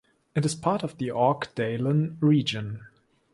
It is part of the Orkdalen region.